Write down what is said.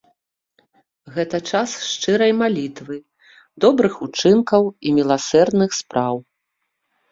Гэта час шчырай малітвы, добрых учынкаў і міласэрных спраў.